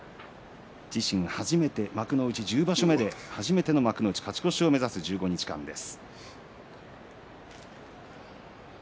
自身初めて幕内１０場所目で初めての幕内勝ち越しを目指すこの場所です。